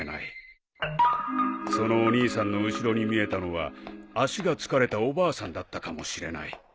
そのお兄さんの後ろに見えたのは足が疲れたおばあさんだったかもしれない。